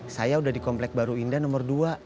saya udah di komplek baru indah nomor dua